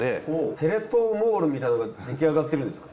テレ東モールみたいなのが出来上がってるんですか？